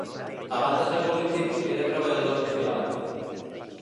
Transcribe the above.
Abans de ser polític, era treballador social.